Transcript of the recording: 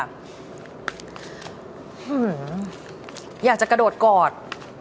อยากจะกระโดดกอด